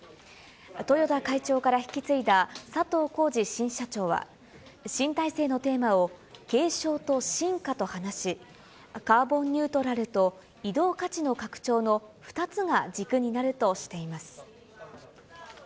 豊田会長から引き継いだ佐藤恒治新社長は、新体制のテーマを継承と進化と話し、カーボンニュートラルと移動価値の拡張の２つが軸になるとしています。